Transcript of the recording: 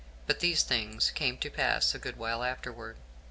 ] But these things came to pass a good while afterward.